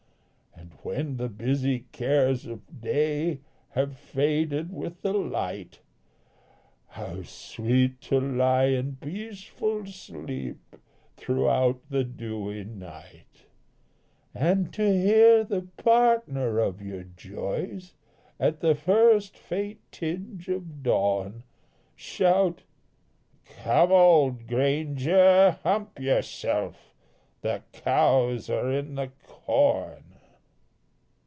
And when the busy cares of day Have faded with the light, How sweet to lie in peaceful sleep Throughout the dewy night, And to hear the partner of your joys, At the first faint tinge of dawn, Shout, "Come, old granger, hump yourself The cows are in the corn."